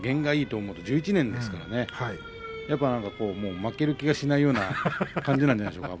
もう１１年ですからね負ける気がしないような感じなんじゃないでしょうか。